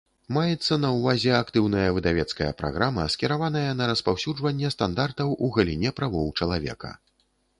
Маецца на ўвазе актыўная выдавецкая праграма, скіраваная на распаўсюджванне стандартаў у галіне правоў чалавека.